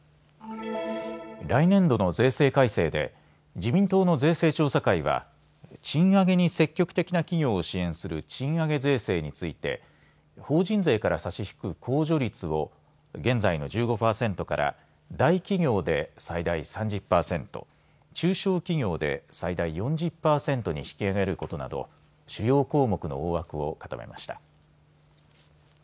来年度の税制改正で自民党の税制調査会は賃上げに積極的な企業を支援する賃上げ税制について法人税から差し引く控除率を現在の１５％から大企業で最大３０％、中小企業で最大４０％に引き上げることなど主要項目の大枠を固めました。